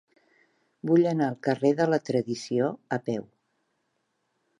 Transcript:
Vull anar al carrer de la Tradició a peu.